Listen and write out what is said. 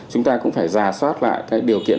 chúng ta cũng phải giả soát lại điều kiện